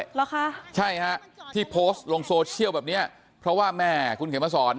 เหรอคะใช่ฮะที่โพสต์ลงโซเชียลแบบเนี้ยเพราะว่าแม่คุณเขียนมาสอน